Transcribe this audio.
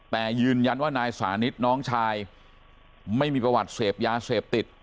แต่ยืนยันว่านายสานิทน้องชายไม่มีประวัติเสพยาเสพติด